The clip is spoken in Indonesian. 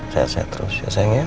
sehat sehat terus ya sayang ya